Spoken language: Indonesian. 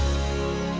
ada memberitahu kita